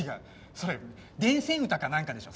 それ『伝染歌』かなんかでしょ。